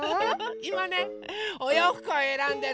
いまねおようふくをえらんでるの！